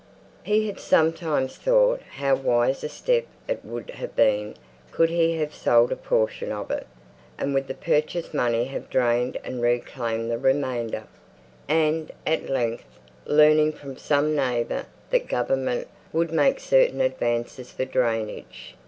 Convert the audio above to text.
He had sometimes thought how wise a step it would have been could he have sold a portion of it, and with the purchase money have drained and reclaimed the remainder; and at length, learning from some neighbour that Government would make certain advances for drainage, &c.